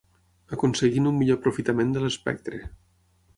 Aconseguint un millor aprofitament de l'espectre.